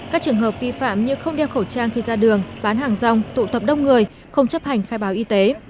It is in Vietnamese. các trường hợp vi phạm như không đeo khẩu trang khi ra đường bán hàng rong tụ tập đông người không chấp hành khai báo y tế